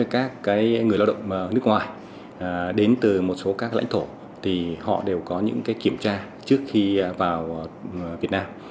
các người lao động nước ngoài đến từ một số các lãnh thổ thì họ đều có những kiểm tra trước khi vào việt nam